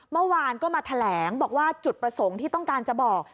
เมื่อวานก็มาแถลงบอกว่าจุดประสงค์ที่ต้องการจะบอก